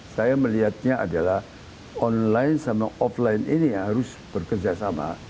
saya melihatnya adalah online sama offline ini harus bekerjasama